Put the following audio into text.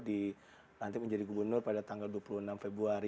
dilantik menjadi gubernur pada tanggal dua puluh enam februari dua ribu dua puluh satu